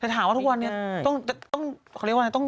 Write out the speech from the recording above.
ถามว่าทุกวันนี้ต้อง